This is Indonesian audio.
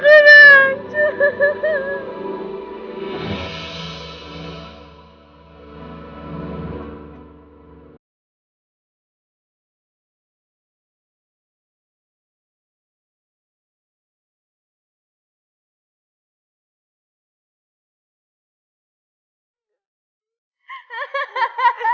hidup aku udah hancur